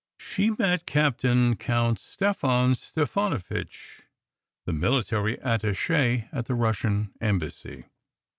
She met Captain Count Stefan Stefanovitch, the military attache of the Russian Embassy.